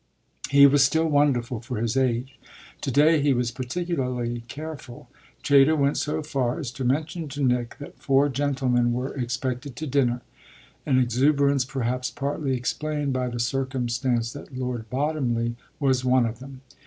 He was still wonderful for his age. To day he was particularly careful: Chayter went so far as to mention to Nick that four gentlemen were expected to dinner an exuberance perhaps partly explained by the circumstance that Lord Bottomley was one of them.